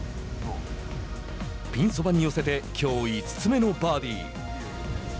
ピンそばに寄せてきょう５つ目のバーディー。